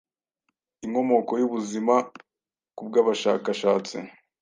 Inkomoko y’ubuzima ku bw’abashakashatsi